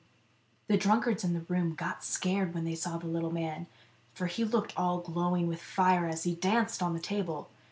The drunkards in the room got scared when they saw the little man, for he looked all glowing with fire as he danced on the table.